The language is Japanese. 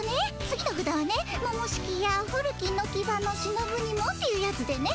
次のふだはね「ももしきやふるきのきばのしのぶにも」っていうやつでね